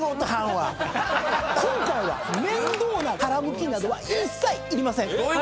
「今回は面倒な殻むきなどは一切いりません」